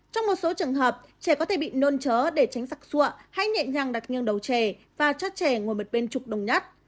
trong một số trường hợp trẻ có thể bị nôn chớ để tránh sắc xua hay nhẹ nhàng đặt ngang đầu trẻ và cho trẻ ngồi một bên trục đồng nhất